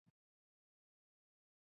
金万燮于是又与彼得等人重逢。